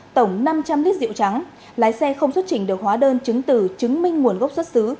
tổng năm trăm linh lít rượu trắng lái xe không xuất trình được hóa đơn chứng từ chứng minh nguồn gốc xuất xứ